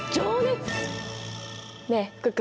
ねえ福君。